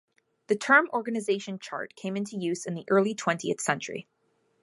The term "organization chart" came into use in the early twentieth century.